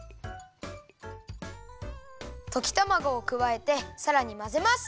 ときたまごをくわえてさらにまぜます。